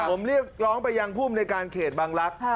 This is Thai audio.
ผมเรียกร้องไปยังภูมิในการเขตบังลักษณ์